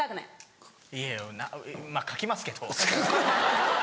いやまぁかきますけど。